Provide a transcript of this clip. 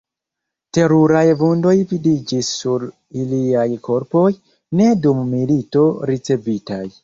Teruraj vundoj vidiĝis sur iliaj korpoj, ne dum milito ricevitaj.